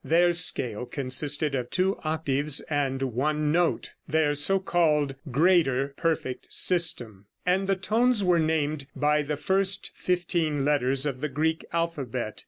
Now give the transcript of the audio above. Their scale consisted of two octaves and one note, their so called "greater perfect system," and the tones were named by the first fifteen letters of the Greek alphabet.